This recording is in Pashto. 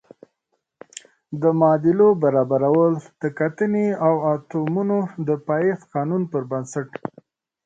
د معادلو برابرول د کتلې او اتومونو د پایښت قانون پر بنسټ دي.